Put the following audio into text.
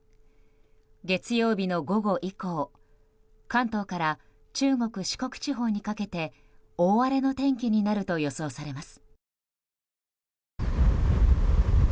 月曜日の午後以降関東から中国・四国地方にかけて大荒れの天気になると予想されます。